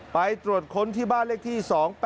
ไปตรวจค้นที่บ้านเลขที่๒๘๘